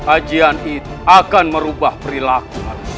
ajian itu akan merubah perilaku